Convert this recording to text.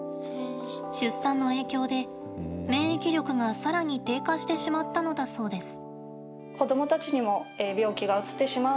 出産の影響で、免疫力が、さらに低下してしまったのだそうです。